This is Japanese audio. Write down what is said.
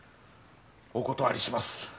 お断りします